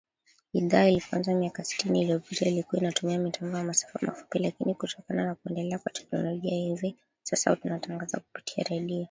Idhaa ilipoanza miaka sitini iliyopita ilikua inatumia mitambo ya masafa mafupi, lakini kutokana na kuendelea kwa teknolojia hivi sasa tunatangaza kupitia redio